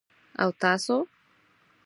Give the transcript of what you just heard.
_او تاسو؟